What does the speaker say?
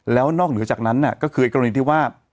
แล้วนอกเหนือจากนั้นก็คือกรณีที่ว่า